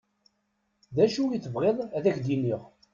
D acu i tebɣiḍ ad ak-d-iniɣ?